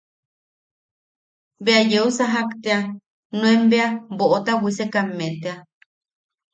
Bea yeu sajak tea, nuen bea boʼota bwisekamme tea.